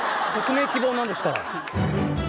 匿名希望なんですから。